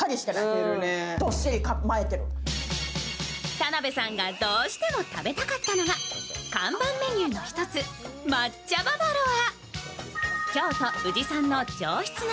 田辺さんがどうしても食べたかったのが看板メニューの一つ抹茶ババロア。